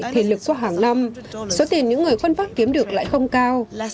thể lực qua hàng năm số tiền những người khuân pháp kiếm được lại không cao